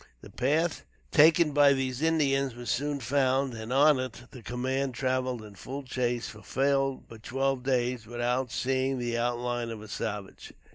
The path taken by these Indians was soon found, and on it, the command traveled in full chase for twelve days, without seeing the outline of a savage.